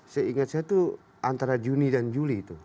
saya ingat saya itu antara juni dan juli itu